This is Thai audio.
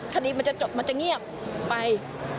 ถัดอีกมันจะเงียบไป